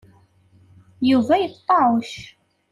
Yuba yeṭṭeɛwec.